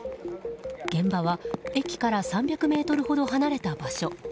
現場は駅から３００ｍほど離れた場所。